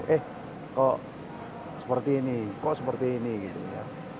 eh kok seperti ini kok seperti ini gitu ya